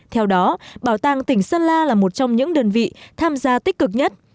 theo đó bảo tàng tỉnh sơn la là một trong những đơn vị tham gia tích cực nhất